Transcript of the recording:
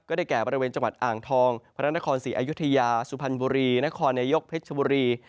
ก็ได้แก่บริเวณจังหวัดอ่างทองพนครสี่อายุทยาสุพันธ์บุรีนยยกเผ็จบุรี